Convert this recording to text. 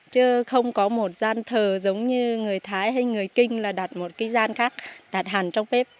chứ không có một gian thờ giống như người thái hay người kinh là đặt một cái gian khác đặt hẳn trong bếp